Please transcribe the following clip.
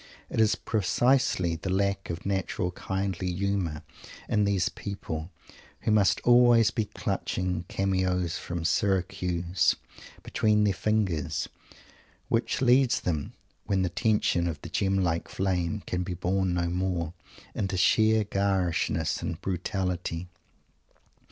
It is precisely the lack of natural kindly humour in these people, who must always be clutching "cameos from Syracuse" between their fingers, which leads them, when the tension of the "gem like flame" can be borne no more, into sheer garishness and brutality.